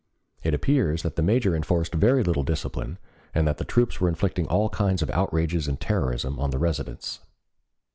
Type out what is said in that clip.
It appears that the major enforced very little discipline and that the troops were inflicting all kinds of outrages and terrorism on the residents.